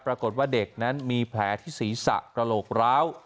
ปรากฏว่าเด็กนั้นมีแผลที่ศีรษะกระโหลกร้าว